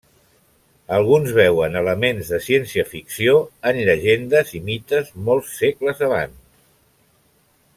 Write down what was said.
Alguns veuen elements de ciència-ficció en llegendes i mites molts segles abans.